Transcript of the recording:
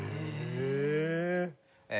へえ。